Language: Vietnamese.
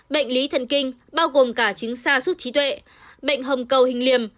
bệnh lý thần kinh bao gồm cả chứng sa sút trí tuệ bệnh hồng cầu hình liềm